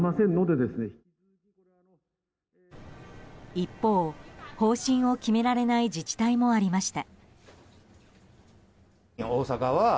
一方、方針を決められない自治体もありました。